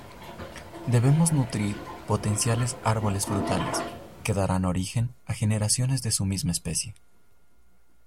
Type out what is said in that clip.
Debemos nutrir "potenciales árboles frutales", que darán origen a generaciones de su misma especie.